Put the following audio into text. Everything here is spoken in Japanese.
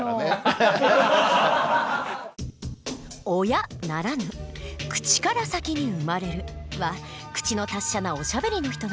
「親」ならぬ「口から先に生まれる」は口の達者なおしゃべりの人の事。